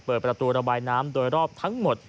เปิดประตูระบายน้ำโดยรอบทั้งหมด